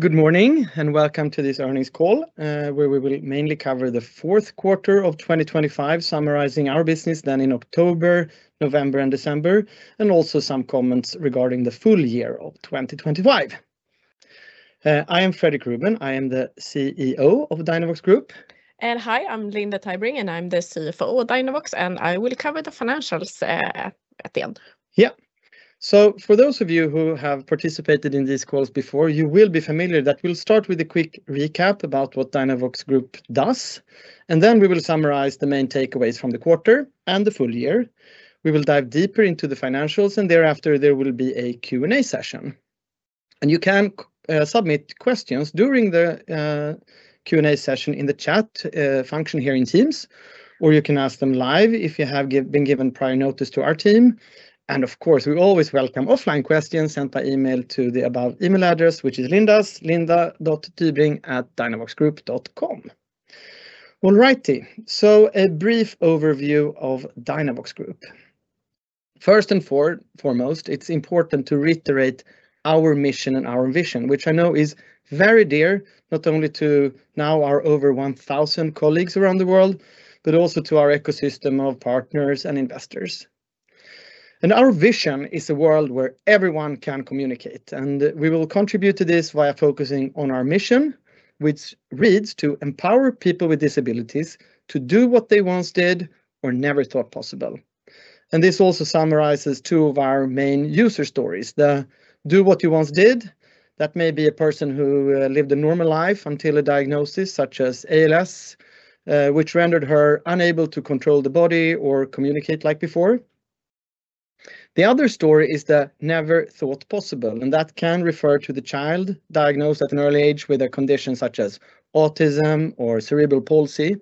Good morning, and welcome to this earnings call, where we will mainly cover the fourth quarter of 2025, summarizing our business done in October, November and December, and also some comments regarding the full year of 2025. I am Fredrik Ruben. I am the CEO of Dynavox Group. Hi, I'm Linda Tybring, and I'm the CFO of Dynavox, and I will cover the financials at the end. Yeah. So for those of you who have participated in these calls before, you will be familiar that we'll start with a quick recap about what Dynavox Group does, and then we will summarize the main takeaways from the quarter and the full year. We will dive deeper into the financials, and thereafter, there will be a Q&A session. And you can submit questions during the Q&A session in the chat function here in Teams, or you can ask them live if you have been given prior notice to our team. And of course, we always welcome offline questions sent by email to the above email address, which is Linda's, linda.tybring@dynavoxgroup.com. All righty, so a brief overview of Dynavox Group. First and foremost, it's important to reiterate our mission and our vision, which I know is very dear, not only to now our over 1,000 colleagues around the world, but also to our ecosystem of partners and investors. Our vision is a world where everyone can communicate, and we will contribute to this via focusing on our mission, which reads, "To empower people with disabilities to do what they once did or never thought possible." This also summarizes two of our main user stories. The do what you once did, that may be a person who lived a normal life until a diagnosis, such as ALS, which rendered her unable to control the body or communicate like before. The other story is the never thought possible, and that can refer to the child diagnosed at an early age with a condition such as autism or cerebral palsy,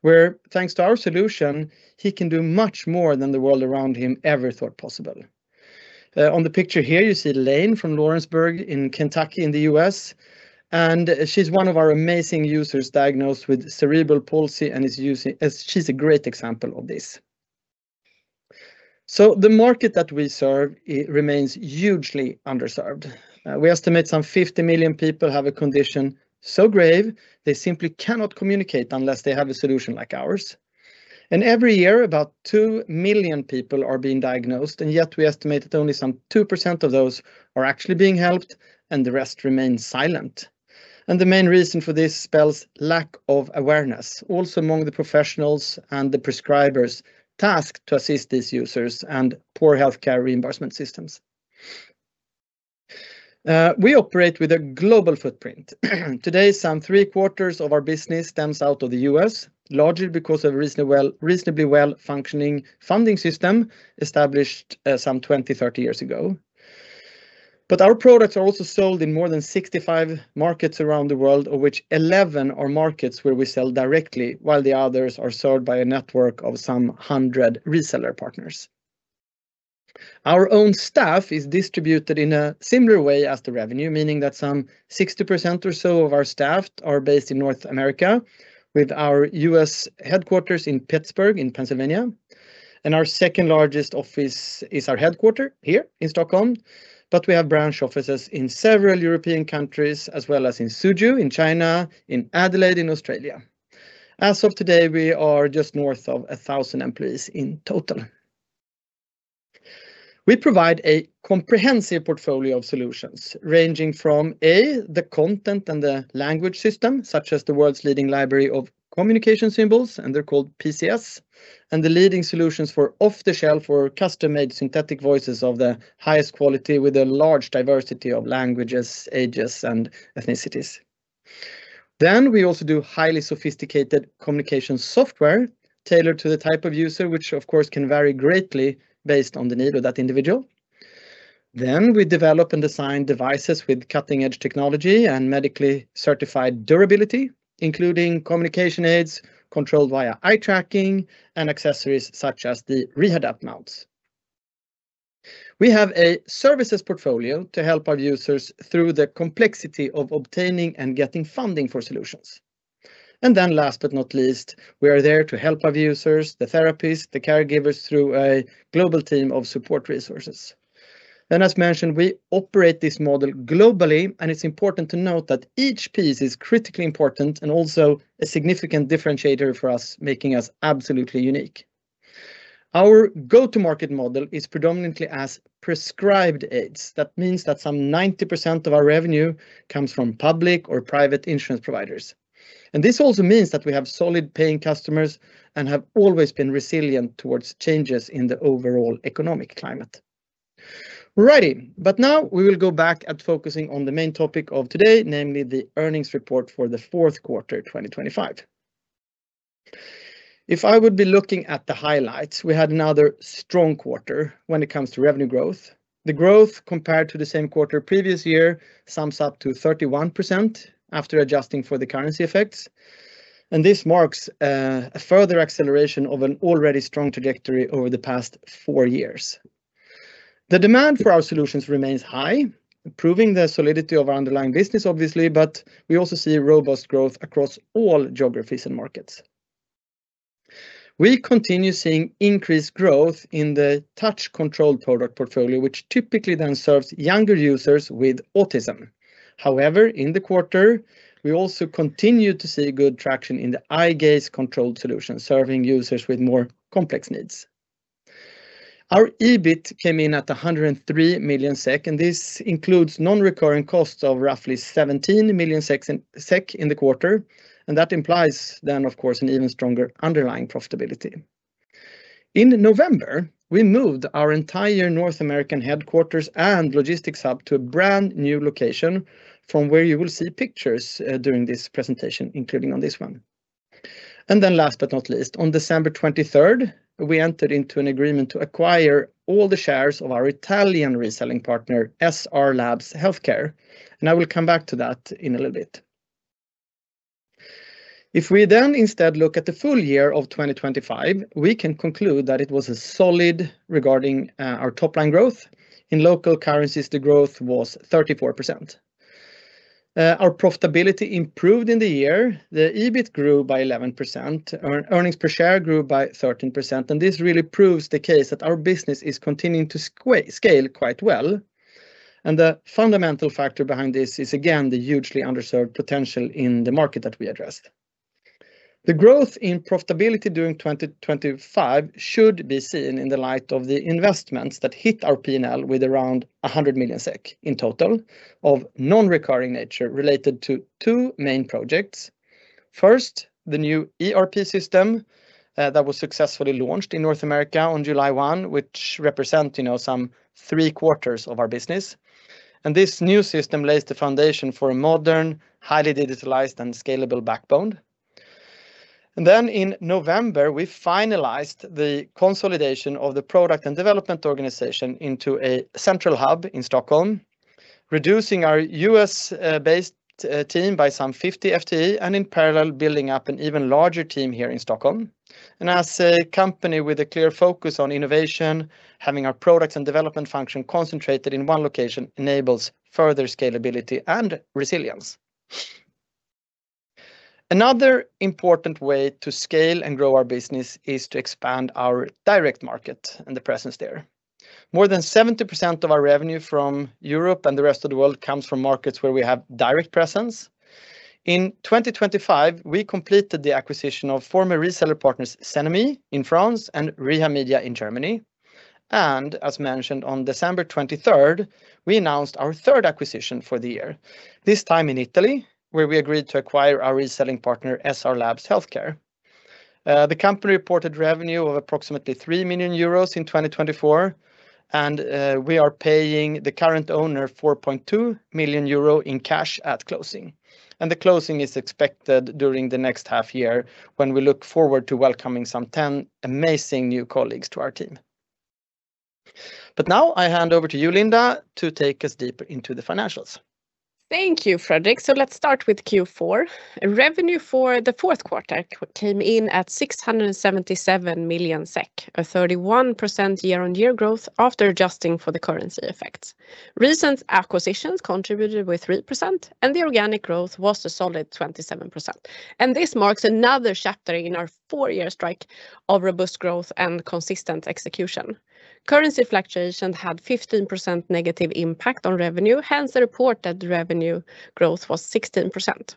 where, thanks to our solution, he can do much more than the world around him ever thought possible. On the picture here, you see Lane from Lawrenceburg in Kentucky, in the U.S., and she's one of our amazing users diagnosed with cerebral palsy and is using... She's a great example of this. So the market that we serve, it remains hugely underserved. We estimate some 50 million people have a condition so grave they simply cannot communicate unless they have a solution like ours, and every year, about 2 million people are being diagnosed, and yet we estimate that only some 2% of those are actually being helped, and the rest remain silent. The main reason for this is lack of awareness, also among the professionals and the prescribers tasked to assist these users and poor healthcare reimbursement systems. We operate with a global footprint. Today, some three-quarters of our business stems out of the U.S., largely because of reasonably well, reasonably well-functioning funding system established some 20-30 years ago. But our products are also sold in more than 65 markets around the world, of which 11 are markets where we sell directly, while the others are sold by a network of some 100 reseller partners. Our own staff is distributed in a similar way as the revenue, meaning that some 60% or so of our staff are based in North America, with our U.S. headquarters in Pittsburgh, in Pennsylvania, and our second-largest office is our headquarters here in Stockholm, but we have branch offices in several European countries, as well as in Suzhou, in China, in Adelaide, in Australia. As of today, we are just north of 1,000 employees in total. We provide a comprehensive portfolio of solutions, ranging from, A, the content and the language system, such as the world's leading library of communication symbols, and they're called PCS, and the leading solutions for off-the-shelf or custom-made synthetic voices of the highest quality with a large diversity of languages, ages, and ethnicities. We also do highly sophisticated communication software tailored to the type of user, which of course, can vary greatly based on the need of that individual. We develop and design devices with cutting-edge technology and medically certified durability, including communication aids, controlled via eye tracking, and accessories such as the Rehadapt mounts. We have a services portfolio to help our users through the complexity of obtaining and getting funding for solutions. And then last but not least, we are there to help our users, the therapists, the caregivers, through a global team of support resources. As mentioned, we operate this model globally, and it's important to note that each piece is critically important and also a significant differentiator for us, making us absolutely unique. Our go-to market model is predominantly as prescribed aids. That means that some 90% of our revenue comes from public or private insurance providers. This also means that we have solid paying customers and have always been resilient towards changes in the overall economic climate. Righty, but now we will go back at focusing on the main topic of today, namely the earnings report for the fourth quarter, 2025. If I would be looking at the highlights, we had another strong quarter when it comes to revenue growth. The growth compared to the same quarter previous year sums up to 31% after adjusting for the currency effects, and this marks a further acceleration of an already strong trajectory over the past four years. The demand for our solutions remains high, improving the solidity of our underlying business, obviously, but we also see robust growth across all geographies and markets. We continue seeing increased growth in the touch control product portfolio, which typically then serves younger users with autism. However, in the quarter, we also continued to see good traction in the eye gaze controlled solution, serving users with more complex needs. Our EBIT came in at 103 million SEK, and this includes non-recurring costs of roughly 17 million SEK in the quarter, and that implies then, of course, an even stronger underlying profitability. In November, we moved our entire North American headquarters and logistics hub to a brand-new location, from where you will see pictures during this presentation, including on this one. And then last but not least, on December 2023, we entered into an agreement to acquire all the shares of our Italian reselling partner, SR Labs Healthcare, and I will come back to that in a little bit. If we then instead look at the full year of 2025, we can conclude that it was a solid regarding our top line growth. In local currencies, the growth was 34%. Our profitability improved in the year. The EBIT grew by 11%, earnings per share grew by 13%, and this really proves the case that our business is continuing to scale quite well. And the fundamental factor behind this is, again, the hugely underserved potential in the market that we addressed. The growth in profitability during 2025 should be seen in the light of the investments that hit our P&L with around 100 million SEK in total of non-recurring nature, related to two main projects. First, the new ERP system that was successfully launched in North America on July 1st, which represent, you know, some three-quarters of our business. And then in November, we finalized the consolidation of the product and development organization into a central hub in Stockholm, reducing our U.S. based team by some 50 FTE, and in parallel, building up an even larger team here in Stockholm. And as a company with a clear focus on innovation, having our products and development function concentrated in one location enables further scalability and resilience. Another important way to scale and grow our business is to expand our direct market and the presence there. More than 70% of our revenue from Europe and the rest of the world comes from markets where we have direct presence. In 2025, we completed the acquisition of former reseller partners, Cenomy in France and RehaMedia in Germany. As mentioned on December 23rd, we announced our third acquisition for the year, this time in Italy, where we agreed to acquire our reselling partner, SR Labs Healthcare. The company reported revenue of approximately 3 million euros in 2024, and we are paying the current owner 4.2 million euro in cash at closing. The closing is expected during the next half year, when we look forward to welcoming some 10 amazing new colleagues to our team. But now I hand over to you, Linda, to take us deeper into the financials. Thank you, Fredrik. Let's start with Q4. Revenue for the fourth quarter came in at 677 million SEK, a 31% year-on-year growth after adjusting for the currency effects. Recent acquisitions contributed with 3%, and the organic growth was a solid 27%. This marks another chapter in our four-year strike of robust growth and consistent execution. Currency fluctuation had 15% negative impact on revenue, hence, the reported revenue growth was 16%.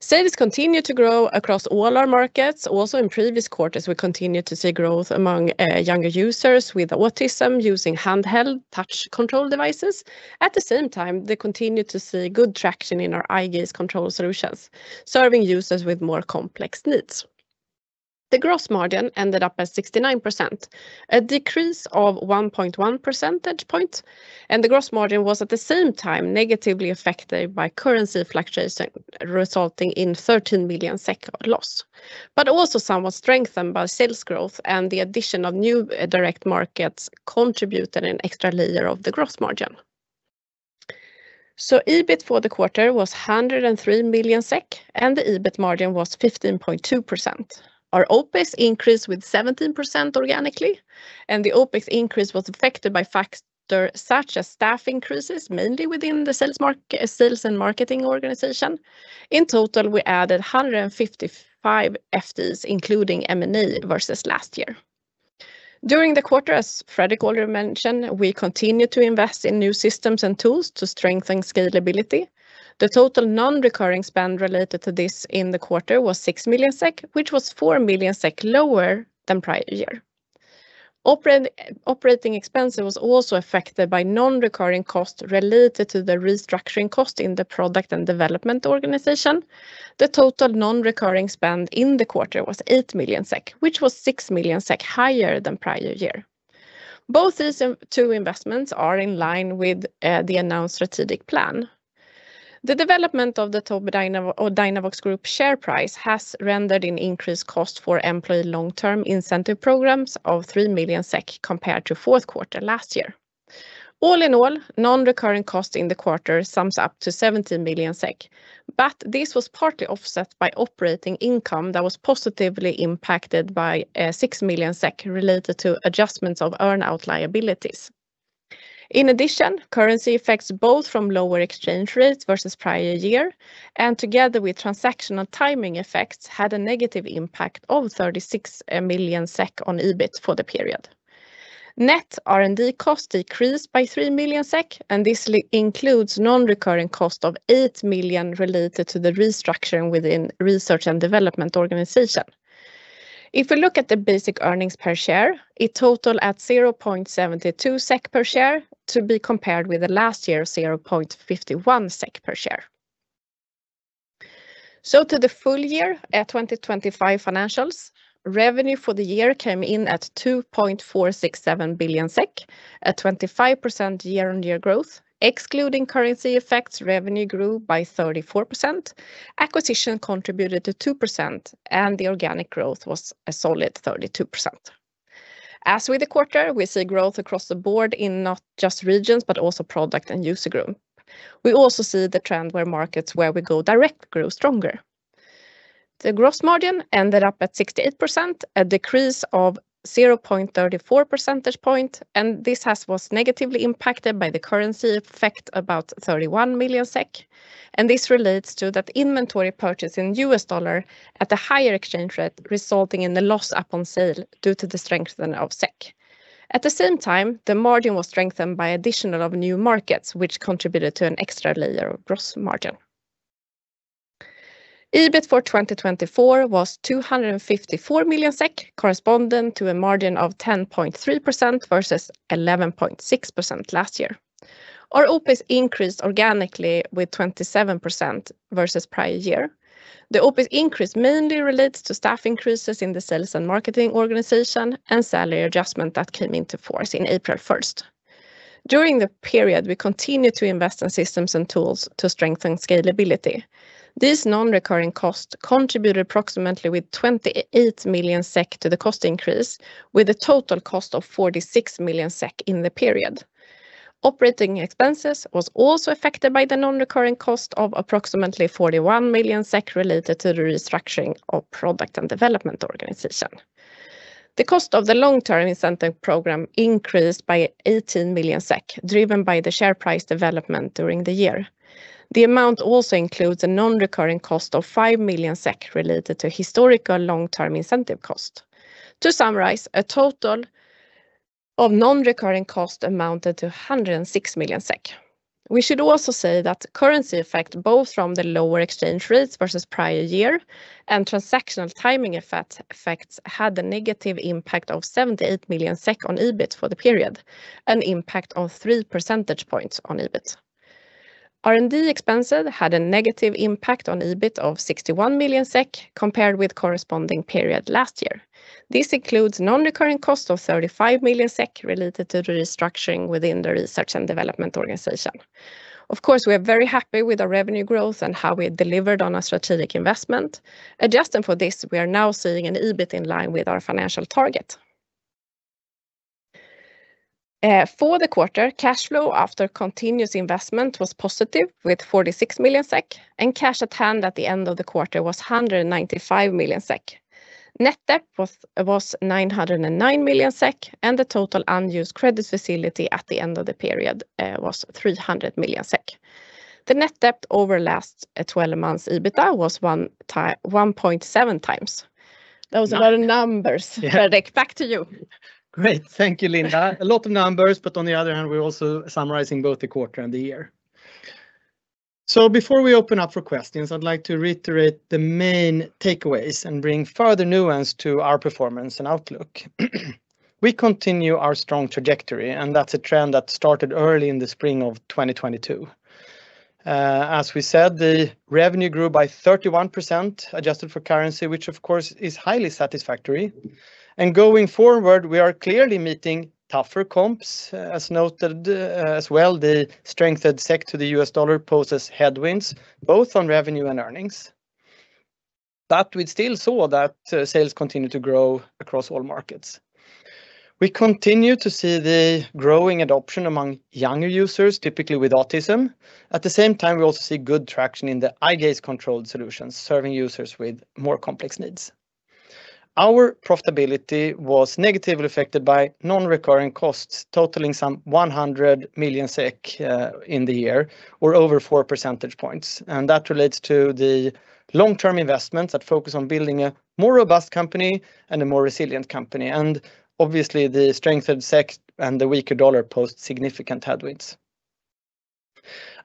Sales continued to grow across all our markets. Also, in previous quarters, we continued to see growth among younger users with autism, using handheld touch control devices. At the same time, they continued to see good traction in our eye gaze control solutions, serving users with more complex needs. The gross margin ended up at 69%, a decrease of 1.1 percentage points, and the gross margin was, at the same time, negatively affected by currency fluctuation, resulting in 13 million SEK loss. But also somewhat strengthened by sales growth and the addition of new direct markets contributed an extra layer of the gross margin. So EBIT for the quarter was 103 million SEK, and the EBIT margin was 15.2%. Our OpEx increased with 17% organically, and the OpEx increase was affected by factors such as staff increases, mainly within the sales and marketing organization. In total, we added 155 FTEs, including M&A, versus last year. During the quarter, as Fredrik already mentioned, we continued to invest in new systems and tools to strengthen scalability. The total non-recurring spend related to this in the quarter was 6 million SEK, which was 4 million SEK lower than prior year. Operating expenses was also affected by non-recurring costs related to the restructuring cost in the product and development organization. The total non-recurring spend in the quarter was 8 million SEK, which was 6 million SEK higher than prior year. Both these two investments are in line with the announced strategic plan. The development of the Dynavox Group share price has rendered an increased cost for employee long-term incentive programs of 3 million SEK compared to fourth quarter last year. All in all, non-recurring costs in the quarter sums up to 17 million SEK but this was partly offset by operating income that was positively impacted by 6 million SEK related to adjustments of earn out liabilities. In addition, currency effects both from lower exchange rates versus prior year, and together with transactional timing effects, had a negative impact of 36 million SEK on EBIT for the period. Net R&D cost decreased by 3 million SEK, and this includes non-recurring cost of 8 million related to the restructuring within research and development organization. If you look at the basic earnings per share, it total at 0.72 SEK per share, to be compared with the last year, 0.51 SEK per share. So to the full year, at 2025 financials, revenue for the year came in at 2.467 billion SEK, at 25% year-on-year growth. Excluding currency effects, revenue grew by 34%. Acquisition contributed to 2%, and the organic growth was a solid 32%. As with the quarter, we see growth across the board in not just regions, but also product and user group. We also see the trend where markets where we go direct grow stronger. The gross margin ended up at 68%, a decrease of 0.34 percentage point, and this was negatively impacted by the currency effect, about 31 million SEK. And this relates to that inventory purchase in U.S. dollar at a higher exchange rate, resulting in a loss upon sale due to the strengthening of SEK. At the same time, the margin was strengthened by addition of new markets, which contributed to an extra layer of gross margin. EBIT for 2024 was 254 million SEK, corresponding to a margin of 10.3% versus 11.6% last year. Our OpEx increased organically with 27% versus prior year. The OpEx increase mainly relates to staff increases in the sales and marketing organization, and salary adjustment that came into force in April 1st. During the period, we continued to invest in systems and tools to strengthen scalability. This non-recurring cost contributed approximately with 28 million SEK to the cost increase, with a total cost of 46 million SEK in the period. Operating expenses was also affected by the non-recurring cost of approximately 41 million SEK related to the restructuring of product and development organization. The cost of the long-term incentive program increased by 18 million SEK, driven by the share price development during the year. The amount also includes a non-recurring cost of 5 million SEK related to historical long-term incentive cost. To summarize, a total of non-recurring cost amounted to 106 million SEK. We should also say that currency effect, both from the lower exchange rates versus prior year and transactional timing effect, effects, had a negative impact of 78 million SEK on EBIT for the period, an impact of 3 percentage points on EBIT. R&D expenses had a negative impact on EBIT of 61 million SEK, compared with corresponding period last year. This includes non-recurring cost of 35 million SEK related to the restructuring within the research and development organization. Of course, we are very happy with our revenue growth and how we delivered on our strategic investment. Adjusted for this, we are now seeing an EBIT in line with our financial target. For the quarter, cash flow after continuous investment was positive, with 46 million SEK, and cash at hand at the end of the quarter was 195 million SEK. Net debt was 909 million SEK, and the total unused credit facility at the end of the period was 300 million SEK. The net debt over last twelve months EBITDA was 1.7 times. Those were numbers. Yeah. Fredrik, back to you. Great, thank you, Linda. A lot of numbers, but on the other hand, we're also summarizing both the quarter and the year. So before we open up for questions, I'd like to reiterate the main takeaways and bring further nuance to our performance and outlook. We continue our strong trajectory, and that's a trend that started early in the spring of 2022. As we said, the revenue grew by 31%, adjusted for currency, which of course, is highly satisfactory. And going forward, we are clearly meeting tougher comps. As noted, as well, the strengthened SEK to the U.S. dollar poses headwinds, both on revenue and earnings. But we still saw that, sales continued to grow across all markets. We continue to see the growing adoption among younger users, typically with Autism. At the same time, we also see good traction in the eye-gaze controlled solutions, serving users with more complex needs. Our profitability was negatively affected by non-recurring costs, totaling some 100 million SEK in the year, or over 4 percentage points. And that relates to the long-term investments that focus on building a more robust company and a more resilient company. And obviously, the strengthened SEK and the weaker dollar posed significant headwinds.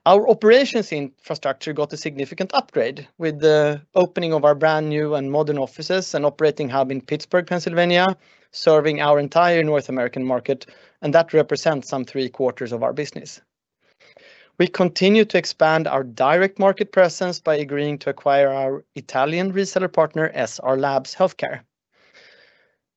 Our operations infrastructure got a significant upgrade with the opening of our brand new and modern offices and operating hub in Pittsburgh, Pennsylvania, serving our entire North American market, and that represents some three-quarters of our business. We continue to expand our direct market presence by agreeing to acquire our Italian reseller partner, SR Labs Healthcare.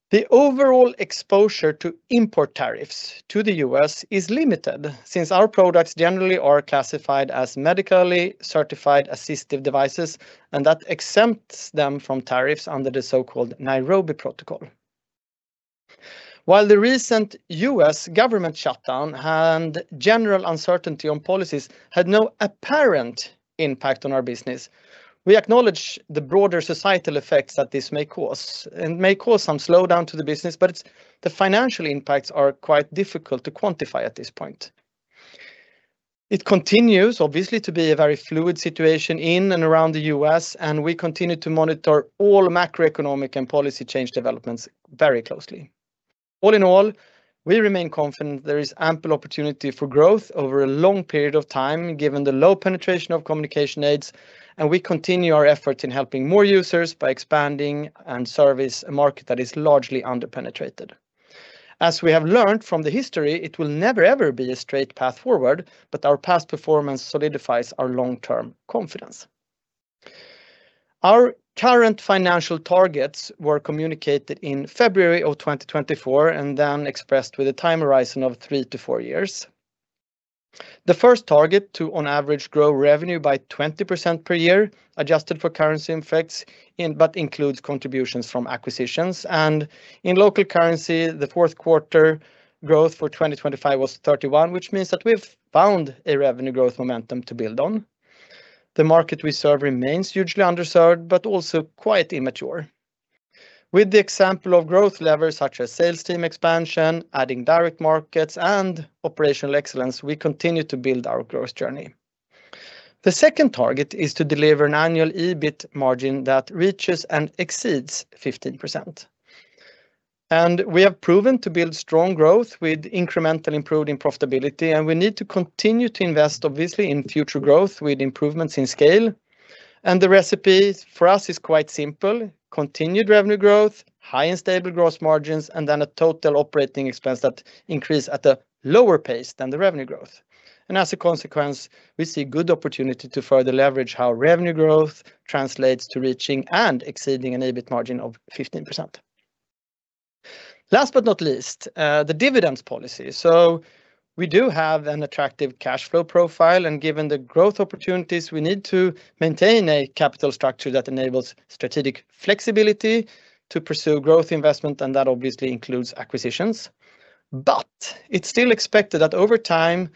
The overall exposure to import tariffs to the U.S. is limited, since our products generally are classified as medically certified assistive devices, and that exempts them from tariffs under the so-called Nairobi Protocol. While the recent U.S. government shutdown and general uncertainty on policies had no apparent impact on our business, we acknowledge the broader societal effects that this may cause, and may cause some slowdown to the business, but the financial impacts are quite difficult to quantify at this point. It continues obviously to be a very fluid situation in and around the U.S., and we continue to monitor all macroeconomic and policy change developments very closely. All in all, we remain confident there is ample opportunity for growth over a long period of time, given the low penetration of communication aids, and we continue our efforts in helping more users by expanding and servicing a market that is largely under-penetrated. As we have learned from the history, it will never, ever be a straight path forward, but our past performance solidifies our long-term confidence. Our current financial targets were communicated in February of 2024, and then expressed with a time horizon of 3-4 years. The first target to, on average, grow revenue by 20% per year, adjusted for currency effects, in, but includes contributions from acquisitions. In local currency, the fourth quarter growth for 2025 was 31%, which means that we've found a revenue growth momentum to build on. The market we serve remains hugely underserved, but also quite immature. With the example of growth levers, such as sales team expansion, adding direct markets, and operational excellence, we continue to build our growth journey. The second target is to deliver an annual EBIT margin that reaches and exceeds 15%. We have proven to build strong growth with incremental improvement in profitability, and we need to continue to invest, obviously, in future growth with improvements in scale. The recipe for us is quite simple: continued revenue growth, high and stable gross margins, and then a total operating expense that increase at a lower pace than the revenue growth. As a consequence, we see good opportunity to further leverage how revenue growth translates to reaching and exceeding an EBIT margin of 15%. Last but not least, the dividends policy. So we do have an attractive cash flow profile, and given the growth opportunities, we need to maintain a capital structure that enables strategic flexibility to pursue growth investment, and that obviously includes acquisitions. But it's still expected that over time,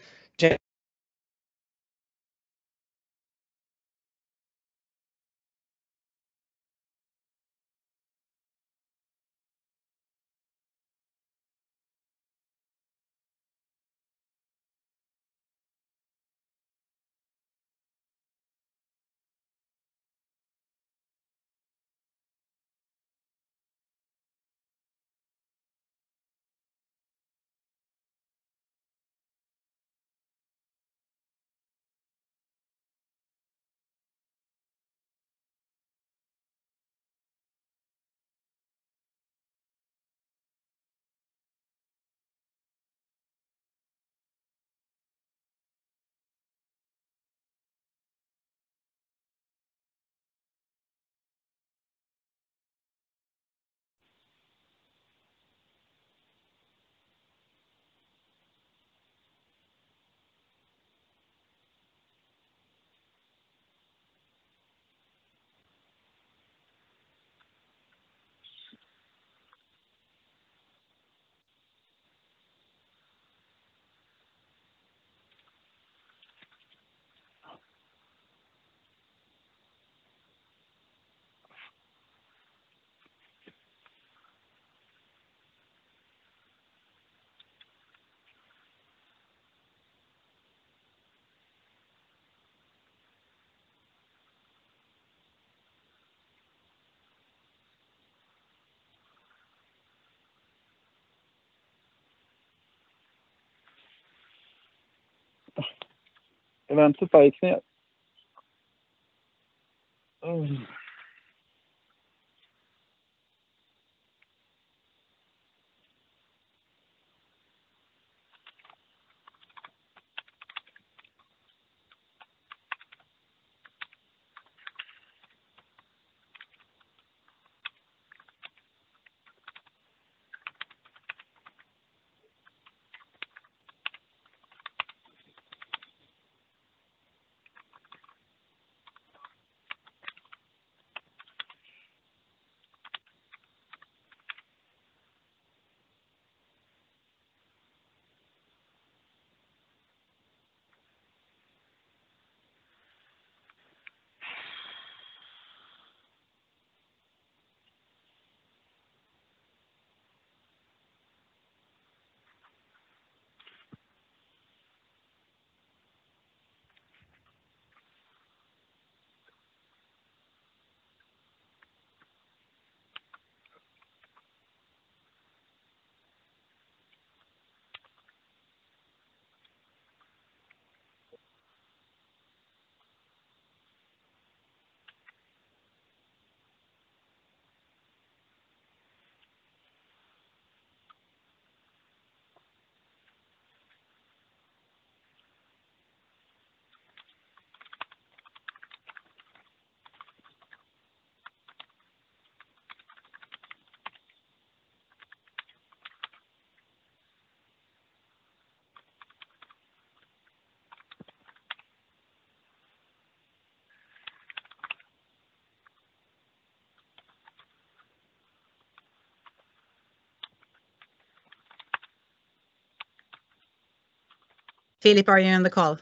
Philip, are you on the call?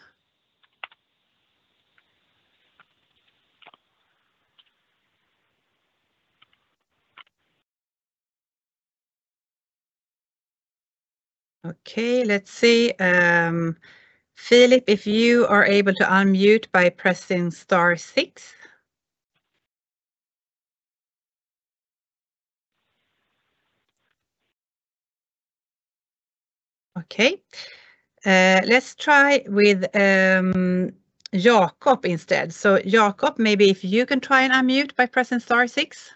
Okay, let's see. Philip, if you are able to unmute by pressing star six. Okay. Let's try with Jakob instead. Jakob, maybe if you can try and unmute by pressing star six?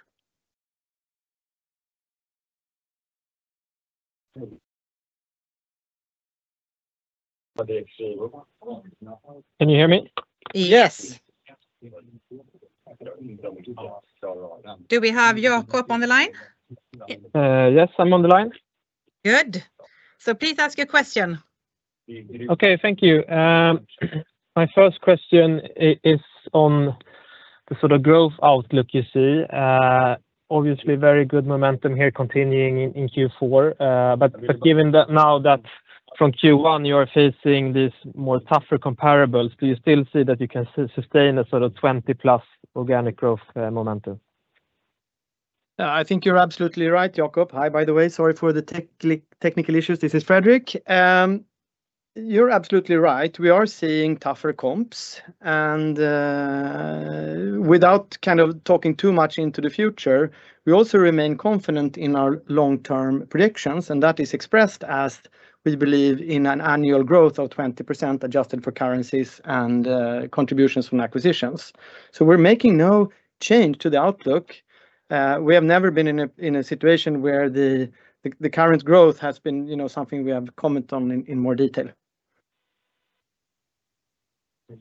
Can you hear me? Yes. Do we have Jakob on the line? Yes, I'm on the line. Good. So please ask your question. Okay, thank you. My first question is on the sort of growth outlook you see. Obviously very good momentum here continuing in Q4. But given that now that from Q1 you are facing this more tougher comparables, do you still see that you can still sustain a sort of 20+ organic growth momentum? I think you're absolutely right, Jakob. Hi, by the way, sorry for the technical issues. This is Fredrik. You're absolutely right. We are seeing tougher comps, and without kind of talking too much into the future, we also remain confident in our long-term predictions, and that is expressed as we believe in an annual growth of 20%, adjusted for currencies and contributions from acquisitions. So we're making no change to the outlook. We have never been in a situation where the current growth has been, you know, something we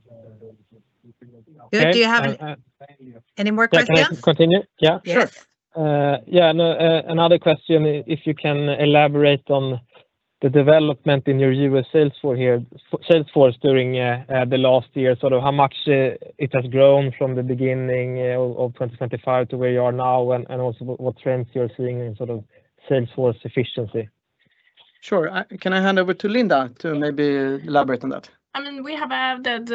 have comment on in more detail. Do you have any- Okay. Any more questions? Can I continue? Yeah. Yes. Sure. Yeah, no, another question, if you can elaborate on the development in your U.S. sales force during the last year, sort of how much it has grown from the beginning of 2025 to where you are now, and also what trends you're seeing in sort of sales force efficiency? Sure. Can I hand over to Linda to maybe elaborate on that? I mean, we have added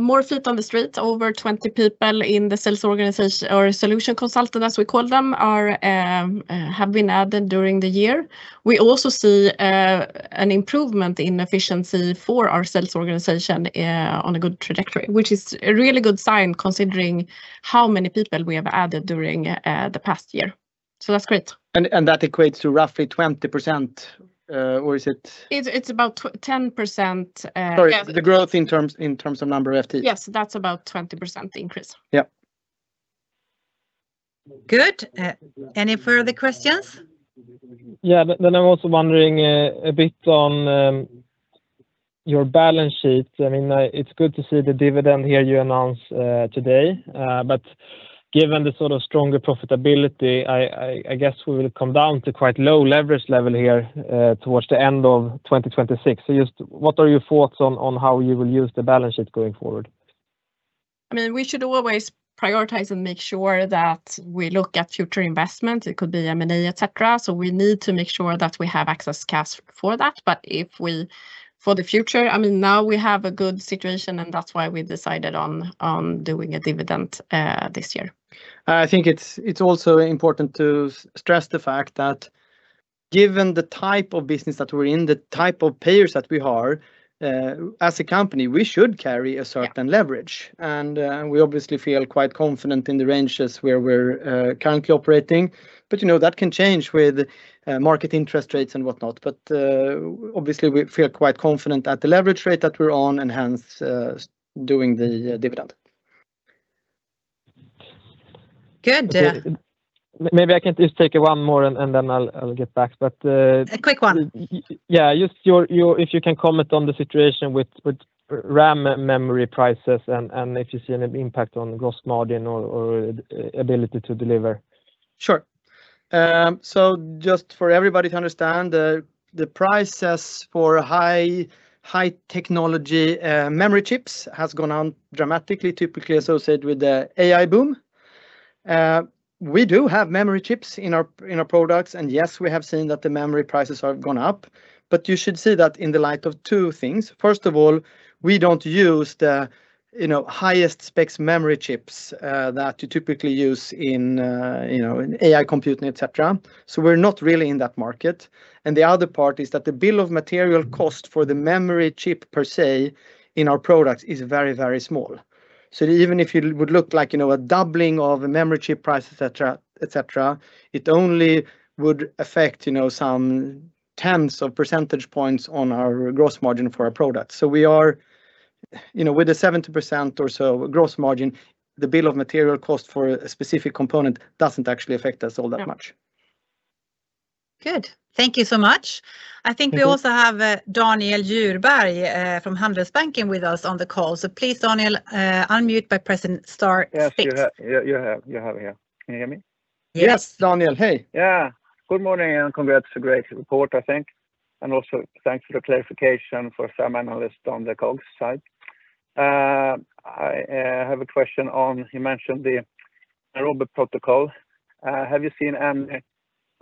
more feet on the street. Over 20 people in the sales organization or solution consultant, as we call them, have been added during the year. We also see an improvement in efficiency for our sales organization on a good trajectory, which is a really good sign, considering how many people we have added during the past year. So that's great. And that equates to roughly 20%, or is it- It's about 10%, yeah. Sorry, the growth in terms of number of FTE. Yes, that's about 20% increase. Yeah. Good. Any further questions? Yeah, then I'm also wondering a bit on your balance sheet. I mean, it's good to see the dividend here you announced today. But given the sort of stronger profitability, I guess we will come down to quite low leverage level here towards the end of 2026. So just what are your thoughts on how you will use the balance sheet going forward? I mean, we should always prioritize and make sure that we look at future investments. It could be M&A, etc, so we need to make sure that we have access to cash for that. But if we, for the future, I mean, now we have a good situation, and that's why we decided on doing a dividend this year. I think it's, it's also important to stress the fact that given the type of business that we're in, the type of payers that we are, as a company, we should carry a certain leverage, and we obviously feel quite confident in the ranges where we're currently operating. But, you know, that can change with market interest rates and whatnot. But obviously, we feel quite confident at the leverage rate that we're on, and hence doing the dividend. Good. Maybe I can just take one more, and then I'll get back. But- A quick one. Yeah, if you can comment on the situation with RAM memory prices and if you see any impact on gross margin or ability to deliver. Sure. So just for everybody to understand, the prices for high technology memory chips has gone up dramatically, typically associated with the AI boom. We do have memory chips in our products, and yes, we have seen that the memory prices have gone up. But you should see that in the light of two things. First of all, we don't use the, you know, highest specs memory chips that you typically use in, you know, in AI computing, etc. So we're not really in that market, and the other part is that the bill of materials cost for the memory chip, per se, in our products is very, very small. So even if you would look like, you know, a doubling of a memory chip price, etc, etc, it only would affect, you know, some tens of percentage points on our gross margin for our products. So we are, you know, with a 70% or so gross margin, the bill of material cost for a specific component doesn't actually affect us all that much. Good. Thank you so much. Thank you. I think we also have Daniel Djurberg from Handelsbanken with us on the call. So please, Daniel, unmute by pressing star six. Yes, you have here. Can you hear me? Yes, Daniel. Hey. Yeah. Good morning, and congrats, a great report, I think, and also thanks for the clarification for some analysts on the COGS side. I have a question on, you mentioned the Nairobi Protocol. Have you seen any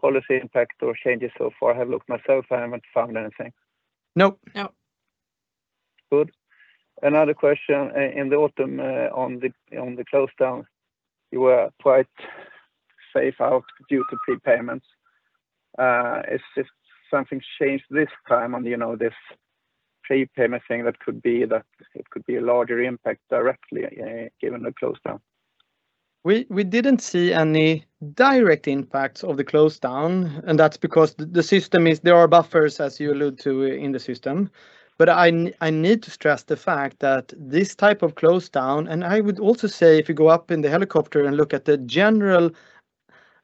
policy impact or changes so far? I have looked myself, I haven't found anything. Nope. No. Good. Another question, in the autumn, on the close down, you were quite safe out due to prepayments. Is this something changed this time on, you know, this prepayment thing that could be that it could be a larger impact directly, given the close down? We didn't see any direct impacts of the close down, and that's because the system, there are buffers, as you allude to, in the system. But I need to stress the fact that this type of close down, and I would also say if you go up in the helicopter and look at the general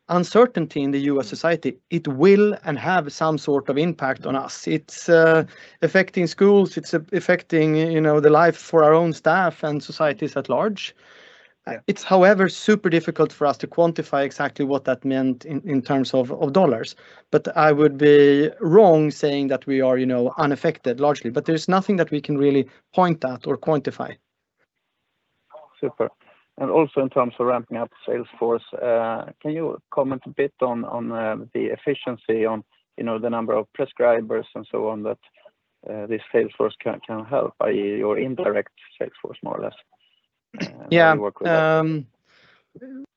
uncertainty in the U.S. society, it will and have some sort of impact on us. It's affecting schools, it's affecting, you know, the life for our own staff and societies at large. It's, however, super difficult for us to quantify exactly what that meant in terms of dollars. But I would be wrong saying that we are, you know, unaffected largely. But there is nothing that we can really point at or quantify. Super. And also in terms of ramping up the sales force, can you comment a bit on the efficiency on, you know, the number of prescribers and so on, that this sales force can help, i.e., your indirect sales force, more or less? Yeah. How you work with that?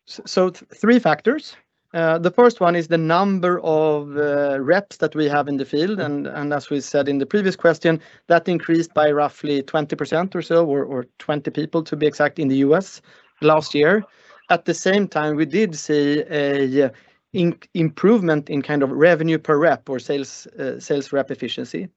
So three factors. The first one is the number of reps that we have in the field, and as we said in the previous question, that increased by roughly 20% or so, or 20 people, to be exact, in the U.S. last year. At the same time, we did see an improvement in kind of revenue per rep or sales sales rep efficiency.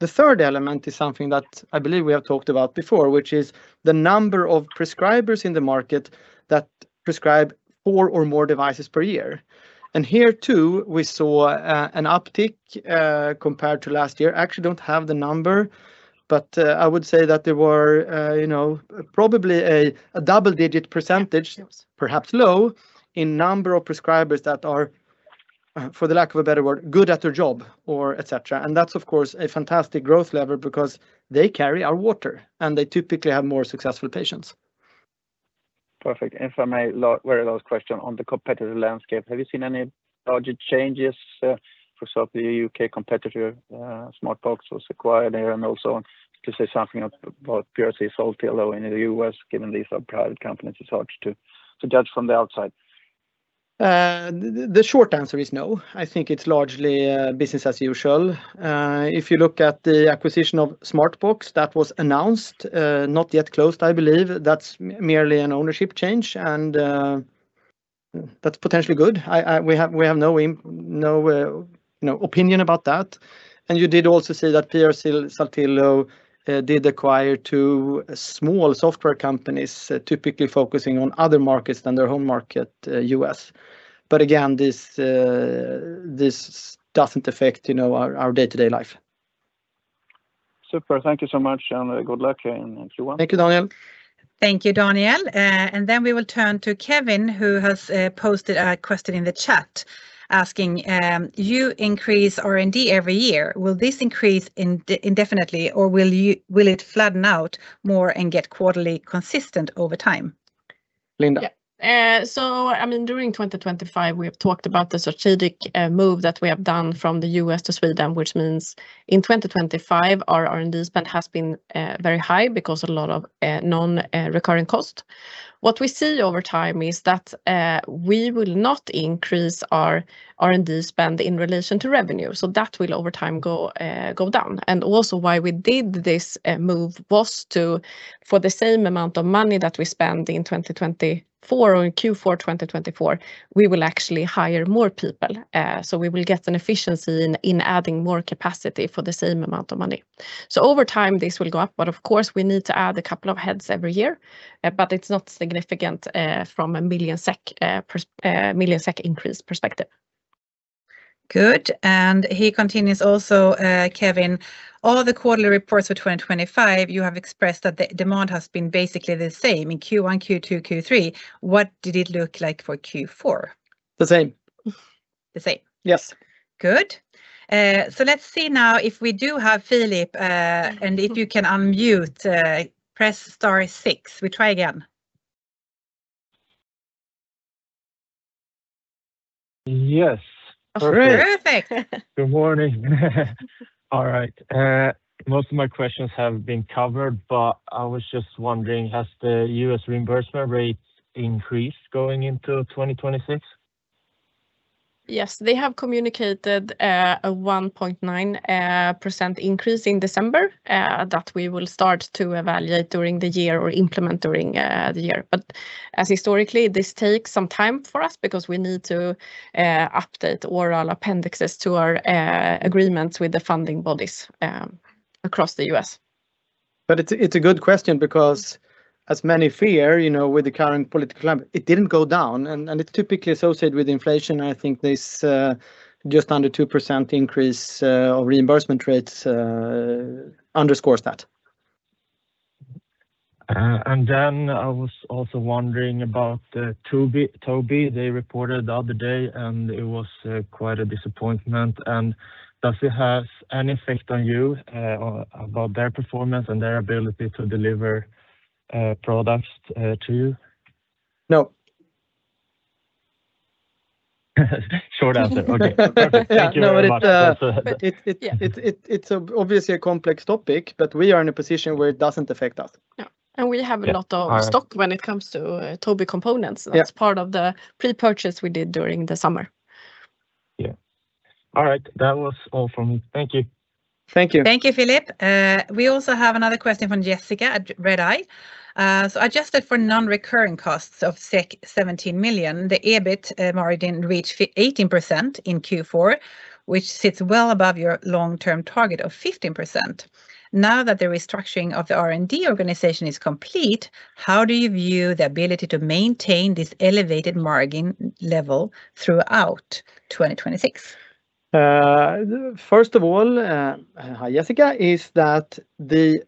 The third element is something that I believe we have talked about before, which is the number of prescribers in the market that prescribe four or more devices per year. And here, too, we saw an uptick compared to last year. I actually don't have the number, but I would say that there were, you know, probably a double-digit percentage, perhaps low, in number of prescribers that are, for the lack of a better word, good at their job or etc. And that's, of course, a fantastic growth level because they carry our water, and they typically have more successful patients. Perfect. And if I may, very last question on the competitive landscape. Have you seen any larger changes for some of the U.K. competitor, Smartbox was acquired and also to say something about PRC-Saltillo in the U.S., given these are private companies, it's hard to judge from the outside. The short answer is no. I think it's largely business as usual. If you look at the acquisition of Smartbox, that was announced, not yet closed, I believe. That's merely an ownership change, and that's potentially good. We have no opinion about that. And you did also say that PRC-Saltillo did acquire two small software companies, typically focusing on other markets than their home market, U.S.. But again, this doesn't affect, you know, our day-to-day life. Super. Thank you so much, and good luck in Q1. Thank you, Daniel. Thank you, Daniel. And then we will turn to Kevin, who has posted a question in the chat, asking: You increase R&D every year. Will this increase indefinitely, or will it flatten out more and get quarterly consistent over time? Linda? Yeah. So I mean, during 2025, we have talked about the strategic move that we have done from the U.S. to Sweden, which means in 2025, our R&D spend has been very high because a lot of non-recurring cost. What we see over time is that we will not increase our R&D spend in relation to revenue, so that will, over time, go down. And also why we did this move was to, for the same amount of money that we spend in 2024 or in Q4 2024, we will actually hire more people. So we will get an efficiency in adding more capacity for the same amount of money. So over time, this will go up, but of course, we need to add a couple of heads every year, but it's not significant from a 1 million SEK increase perspective. Good. And he continues also, Kevin, all the quarterly reports for 2025, you have expressed that the demand has been basically the same in Q1, Q2, Q3. What did it look like for Q4? The same. The same? Yes. Good. So let's see now if we do have Philip, and if you can unmute, press star six. We try again. Yes. Perfect. Good morning. All right, most of my questions have been covered, but I was just wondering, has the U.S. reimbursement rate increased going into 2026? Yes, they have communicated a 1.9% increase in December that we will start to evaluate during the year or implement during the year. But as historically, this takes some time for us because we need to update all our appendixes to our agreements with the funding bodies across the U.S. But it's a good question because as many fear, you know, with the current political climate, it didn't go down, and it's typically associated with inflation. I think this just under 2% increase of reimbursement rates underscores that. And then I was also wondering about Tobii, Tobii. They reported the other day, and it was quite a disappointment. And does it have any effect on you, or about their performance and their ability to deliver products to you? No. Short answer. Okay. Thank you very much. It's obviously a complex topic, but we are in a position where it doesn't affect us. Yeah, and we have a lot of stock when it comes to Tobii components. Yeah. That's part of the pre-purchase we did during the summer. Yeah. All right. That was all from me. Thank you. Thank you. Thank you, Philip. We also have another question from Jessica at Redeye. "So adjusted for non-recurring costs of 17 million, the EBIT margin reached 18% in Q4, which sits well above your long-term target of 15%. Now that the restructuring of the R&D organization is complete, how do you view the ability to maintain this elevated margin level throughout 2026? First of all, hi, Jessica, is that the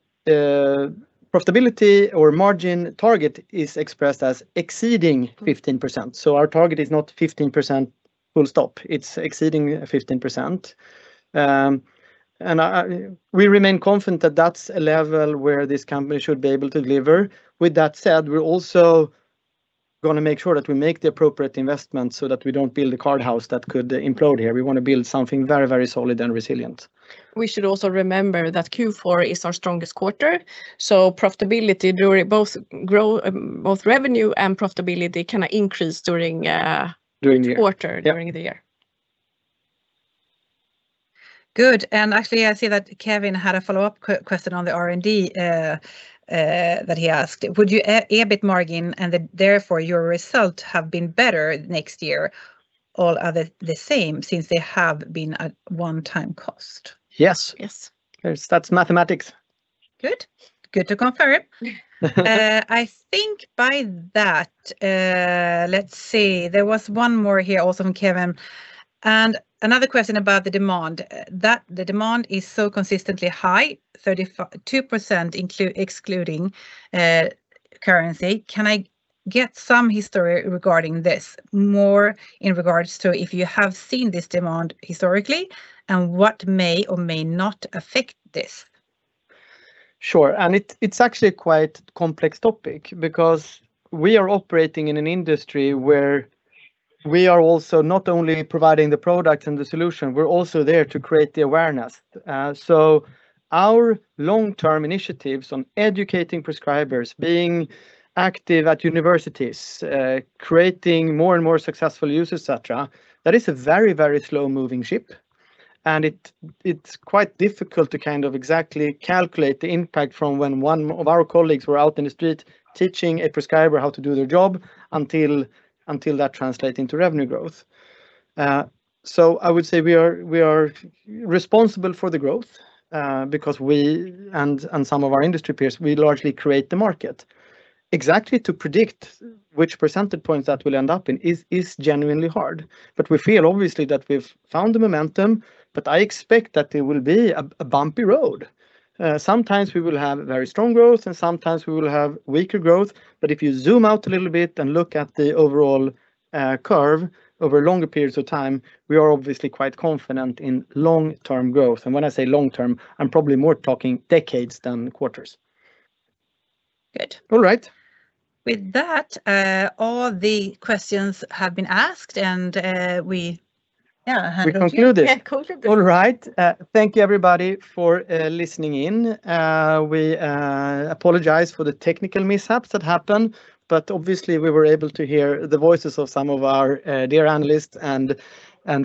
profitability or margin target is expressed as exceeding 15%. So our target is not 15% full stop, it's exceeding 15%. And I, we remain confident that that's a level where this company should be able to deliver. With that said, we're also gonna make sure that we make the appropriate investments so that we don't build a card house that could implode here. We wanna build something very, very solid and resilient. We should also remember that Q4 is our strongest quarter, so profitability during both both revenue and profitability can increase during. During the year. Quarter, during the year. Good. And actually, I see that Kevin had a follow-up question on the R&D that he asked, "Would you EBIT margin and therefore your result have been better next year, all other the same, since they have been a one-time cost? Yes. Yes. That's mathematics. Good. Good to confirm. I think by that, let's see, there was one more here also from Kevin, and another question about the demand. That the demand is so consistently high, 35.2%, excluding currency. Can I get some history regarding this, more in regards to if you have seen this demand historically, and what may or may not affect this? Sure, it's actually a quite complex topic, because we are operating in an industry where we are also not only providing the product and the solution, we're also there to create the awareness. So our long-term initiatives on educating prescribers, being active at universities, creating more and more successful users, etc, that is a very, very slow moving ship, and it's quite difficult to kind of exactly calculate the impact from when one of our colleagues were out in the street teaching a prescriber how to do their job until that translate into revenue growth. So I would say we are responsible for the growth, because we, and some of our industry peers, we largely create the market. Exactly to predict which percentage points that we'll end up in is genuinely hard. But we feel, obviously, that we've found the momentum, but I expect that it will be a bumpy road. Sometimes we will have very strong growth, and sometimes we will have weaker growth. But if you zoom out a little bit and look at the overall curve over longer periods of time, we are obviously quite confident in long-term growth. And when I say long-term, I'm probably more talking decades than quarters. Good. All right. With that, all the questions have been asked, and we hand over to you. We conclude it. Yeah, conclude it. All right. Thank you everybody for listening in. We apologize for the technical mishaps that happened, but obviously we were able to hear the voices of some of our dear analysts and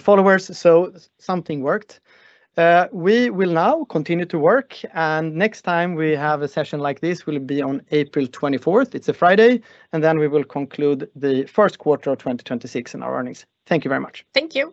followers, so something worked. We will now continue to work, and next time we have a session like this will be on April 24th, it's a Friday, and then we will conclude the first quarter of 2026 in our earnings. Thank you very much. Thank you!